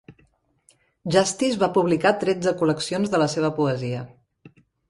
Justice va publicar tretze col·leccions de la seva poesia.